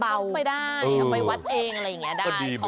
เอาไปวัดเองอะไรอย่างนี้ได้